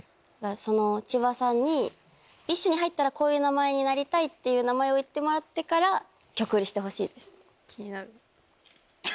千葉さんにＢｉＳＨに入ったらこういう名前になりたいっていう名前を言ってもらってから曲フリしてほしいです。